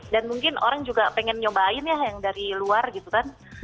dan mungkin orang juga pengen nyobain ya yang dari luar gitu kan